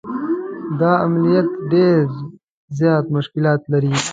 دا عملیات ډېر زیات مشکلات لري.